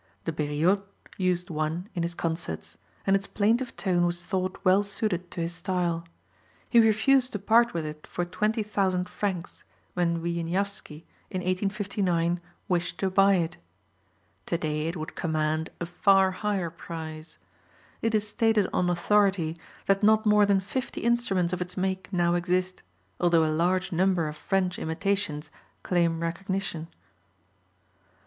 De Beriot used one in his concerts, and its plaintive tone was thought well suited to his style. He refused to part with it for 20,000 francs when Wieniawski, in 1859, wished to buy it. To day it would command a far higher price. It is stated on authority that not more than fifty instruments of its make now exist, although a large number of French imitations claim recognition.